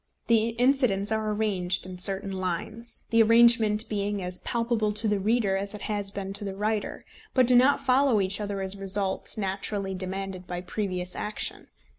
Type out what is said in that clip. The incidents are arranged in certain lines the arrangement being as palpable to the reader as it has been to the writer but do not follow each other as results naturally demanded by previous action.